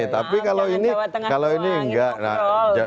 tapi kalau ini nggak